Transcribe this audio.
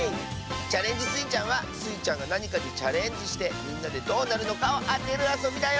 「チャレンジスイちゃん」はスイちゃんがなにかにチャレンジしてみんなでどうなるのかをあてるあそびだよ！